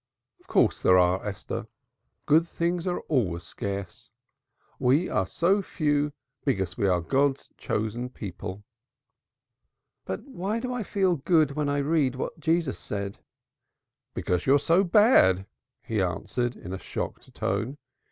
"Of course there are, Esther. Good things are scarce. We are so few because we are God's chosen people." "But why do I feel good when I read what Jesus said?" "Because you are so bad," he answered, in a shocked tone.